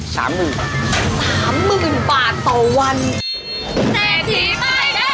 เซธีปว่ากนะ